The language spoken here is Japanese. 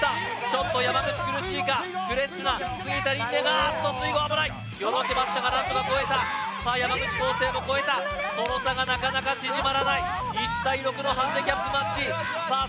ちょっと山口苦しいかフレッシュな菅田琳寧があっと水濠危ないよろけましたがなんとか越えた山口浩勢も越えたその差がなかなか縮まらない１対６のハンデキャップマッチさあ